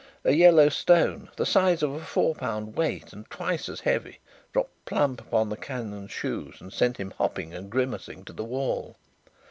A yellow stone the size of a four pound weight and twice as heavy dropped plump upon the canon's toes and sent him hopping and grimacing to the wall.